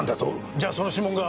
じゃその指紋が。